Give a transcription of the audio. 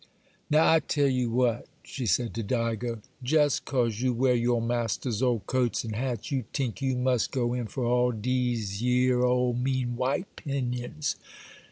] 'Now, I tell ye what,' she said to Digo,—'jest 'cause you wear your master's old coats and hats, you tink you must go in for all dese yer old, mean, white 'pinions.